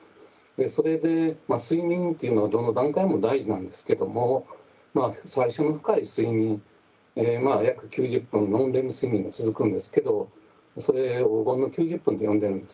それで睡眠というのはどの段階も大事なんですけども最初の深い睡眠約９０分のノンレム睡眠が続くんですけどそれ黄金の９０分と呼んでいるんですね。